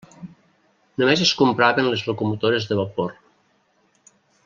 Només es compraven les locomotores de vapor.